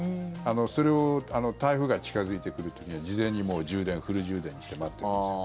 それを台風が近付いてくる時には事前に充電、フル充電にして待ってるんですよ。